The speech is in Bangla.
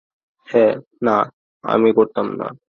না, আমি করতাম না।